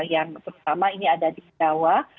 yang terutama ini ada di jawa